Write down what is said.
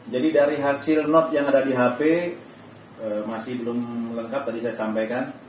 jadi dari hasil not yang ada di hp masih belum lengkap tadi saya sampaikan